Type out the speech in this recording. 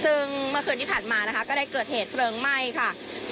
ซึ่งเมื่อคืนที่ผ่านมานะคะก็ได้เกิดเหตุเพลิงไหม้ค่ะ